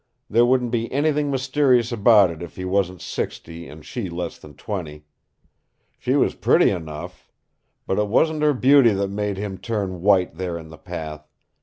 There wouldn't be anything mysterious about it if he wasn't sixty and she less than twenty. She was pretty enough! But it wasn't her beauty that made him turn white there in the path.